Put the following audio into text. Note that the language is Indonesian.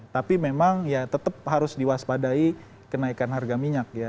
tapi memang ya tetap harus diwaspadai kenaikan harga minyak ya